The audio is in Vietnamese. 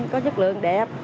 có chất lượng đẹp